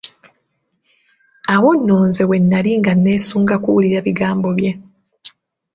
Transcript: Awo nno nze we nali nga neesunga kuwulira bigambo bye.